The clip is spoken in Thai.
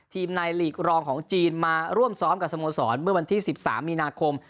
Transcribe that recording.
ในหลีกรองของจีนมาร่วมซ้อมกับสโมสรเมื่อวันที่๑๓มีนาคม